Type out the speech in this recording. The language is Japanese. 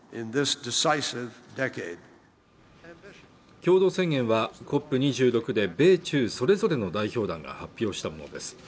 共同宣言はＣＯＰ２６で米中それぞれの代表団が発表したものです